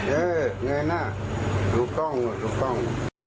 เออเนิ่นน่ะหรูปก้อง